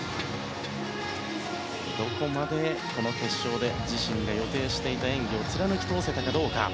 どこまでこの決勝で自身が予定していた演技を貫き通せたかどうか。